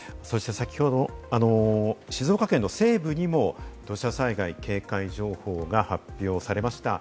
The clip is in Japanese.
先ほど静岡県の西部にも土砂災害警戒情報が発表されました。